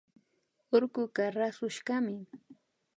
Urkuka rasushkami